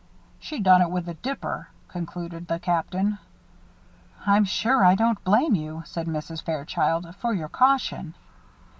"She done it with the dipper," concluded the Captain. "I'm sure I don't blame you," said Mrs. Fairchild, "for your caution."